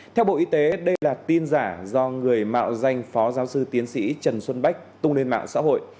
theo bộ y tế đây là tin giả do người mạo danh phó giáo sư tiến sĩ trần xuân bách tung lên mạng xã hội